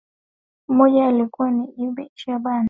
moja yao alikuwa ni ebi shaban abda